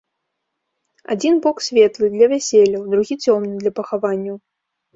Адзін бок светлы, для вяселляў, другі цёмны, для пахаванняў.